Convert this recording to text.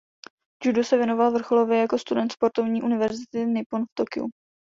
Judu se věnoval vrcholově jako student sportovní univerzity Nippon v Tokiu.